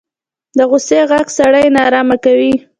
د غوسې غږ سړی نارامه کوي